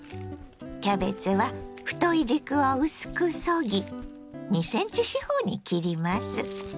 キャベツは太い軸を薄くそぎ２ｃｍ四方に切ります。